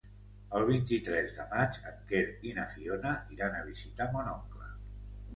El vint-i-tres de maig en Quer i na Fiona iran a visitar mon oncle.